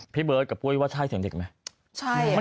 พี่เบอร์ดกับปู๊ยว่าใช่เสียงเด็กมั๊ย